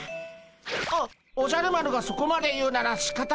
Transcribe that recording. おおじゃる丸がそこまで言うならしかたないでゴンス。